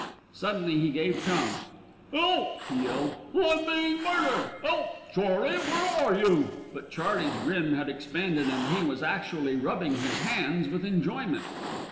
Suddenly he gave tongue. "'Elp!" he yelled. "I'm bein' murdered. 'Elp! Charley, where are you?" But Charley's grin had expanded and he was actually rubbing his hands with enjoyment.